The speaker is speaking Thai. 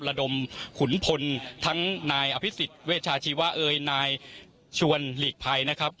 ระดมขุนพลทั้งนายอภิษฎเวชาชีวะเอยนายชวนหลีกภัยนะครับ